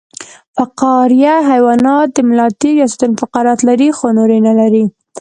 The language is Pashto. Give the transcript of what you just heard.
فقاریه حیوانات د ملا تیر یا ستون فقرات لري خو نور یې نلري